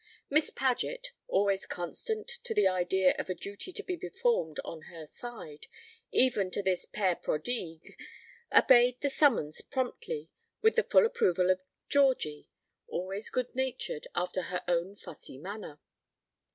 Miss Paget, always constant to the idea of a duty to be performed on her side, even to this père prodigue, obeyed the summons promptly, with the full approval of Georgy, always good natured after her own fussy manner.